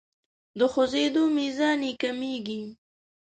د خوځیدو میزان یې کمیږي.